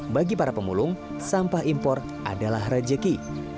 bagi para pemulung sampah impor adalah rejeki